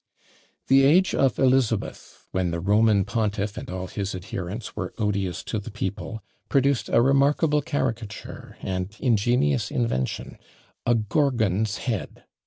The age of Elizabeth, when the Roman pontiff and all his adherents were odious to the people, produced a remarkable caricature, and ingenious invention a gorgon's head!